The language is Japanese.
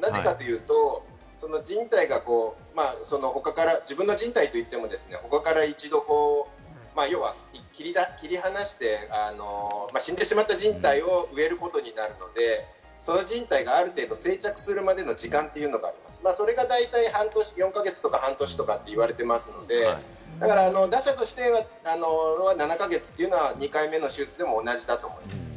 なぜかというと、じん帯が自分のじん帯といっても他から一度、要は切り離して、死んでしまったじん帯を植えることになって、そのじん帯がある程度、生着するまでの時間というのがそれが大体４か月とか半年と言われていますので、打者としては７か月というのは２回目の手術でも同じだと思います。